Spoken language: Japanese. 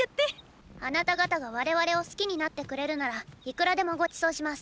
あなた方が我々を好きになってくれるならいくらでもごちそうします。